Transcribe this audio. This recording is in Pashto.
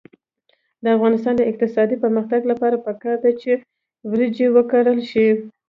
د افغانستان د اقتصادي پرمختګ لپاره پکار ده چې وریجې وکرل شي.